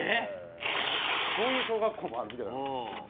そういう小学校もあるみたいなんです。